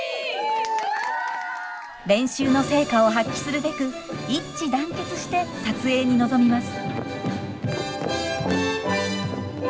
練習の成果を発揮するべく一致団結して撮影に臨みます。